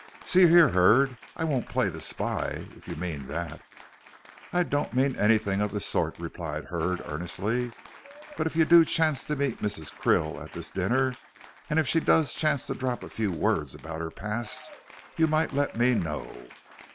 "See here, Hurd, I won't play the spy, if you mean that." "I don't mean anything of the sort," replied Hurd, earnestly, "but if you do chance to meet Mrs. Krill at this dinner, and if she does chance to drop a few words about her past, you might let me know."